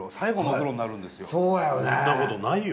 こんなことないよ。